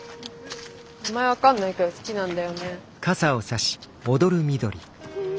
名前分かんないけど好きなんだよね。